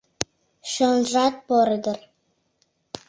Чонжат поро дыр?